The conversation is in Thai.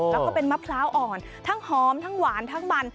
แล้วก็เป็นมะพร้าวอ่อนทั้งหอมทั้งหวานทั้งมัน